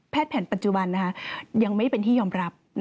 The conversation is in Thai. แผ่นปัจจุบันยังไม่เป็นที่ยอมรับ